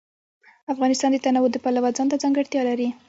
افغانستان د تنوع د پلوه ځانته ځانګړتیا لري.